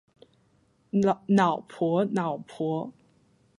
脑婆脑婆